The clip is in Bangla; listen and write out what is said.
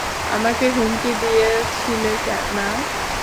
আমাকে হুমকি দিয়েছিলে না?